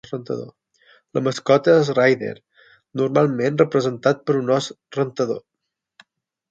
La mascota és Raider, normalment representat per un os rentador.